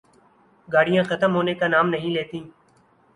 گاڑیاں ختم ہونے کا نام نہیں لیتیں۔